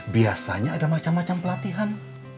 biasanya ada macam macam pelatihan